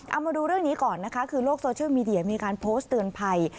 เอามาดูเรื่องนี้ก่อนนะคะคือโลกโซเชียลมีเดียมีการโพสต์เตือนภัย